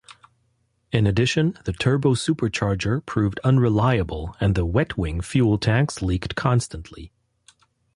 In addition, the turbo-supercharger proved unreliable and the "wet wing" fuel tanks leaked constantly.